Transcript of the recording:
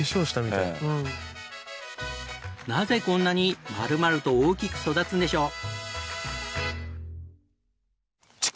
なぜこんなに丸々と大きく育つんでしょう？